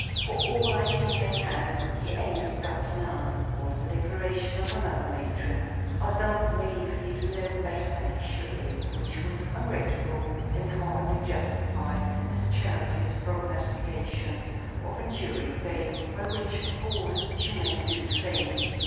"For all I kin make out, he hain't got none," was the declaration of another matron. "I don't b'lieve he's no better than he should be." Which was ungrateful, and hardly justified Miss Charity's prognostications of enduring fame; by which, of course, she meant good fame.